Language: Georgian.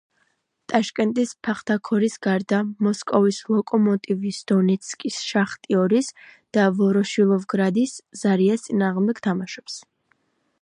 ტაშკენტის „ფახთაქორის“ გარდა, მოსკოვის „ლოკომოტივის“, დონეცკის „შახტიორის“ და ვოროშილოვგრადის „ზარიას“ წინააღმდეგ თამაშობს.